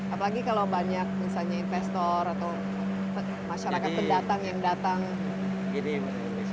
apalagi kalau banyak misalnya investor atau masyarakat pendatang yang datang